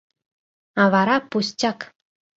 А вара пустяк!